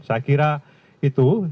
saya kira itu